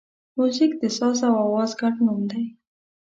موزیک د ساز او آواز ګډ نوم دی.